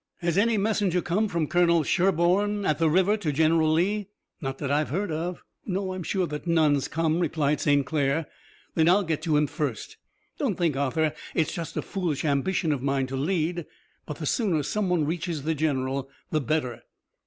"Has any messenger come from Colonel Sherburne at the river to General Lee?" "Not that I've heard of. No, I'm sure that none's come," replied St. Clair. "Then I'll get to him first. Don't think, Arthur, it's just a foolish ambition of mine to lead, but the sooner some one reaches the general the better."